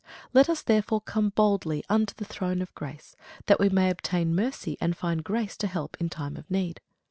Let us therefore come boldly unto the throne of grace, that we may obtain mercy, and find grace to help in time of need.